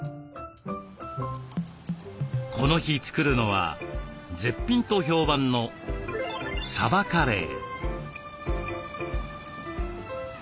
この日作るのは絶品と評判のサバカレー。